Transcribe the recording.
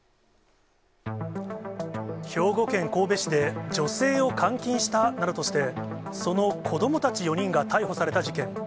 兵庫県神戸市で、女性を監禁したなどとして、その子どもたち４人が逮捕された事件。